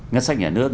ngân sách nhà nước